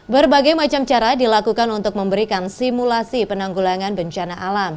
berbagai macam cara dilakukan untuk memberikan simulasi penanggulangan bencana alam